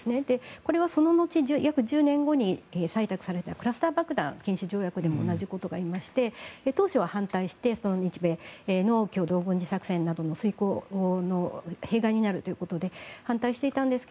これはその後約１０年後に採択されたクラスター爆弾禁止条約でも同じことが言えまして当初は反対して日米の共同軍事作戦などの遂行の弊害になるということで反対していたんですが